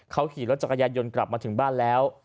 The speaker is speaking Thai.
เขาขี่รถจักรยานยนต์กลับมาถึงบ้านแล้ว